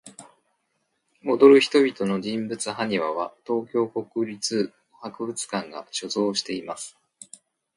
踊る人々の人物埴輪は、東京国立博物館が所蔵しています。